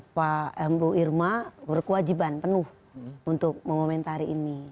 pak ibu irma berkewajiban penuh untuk moment hari ini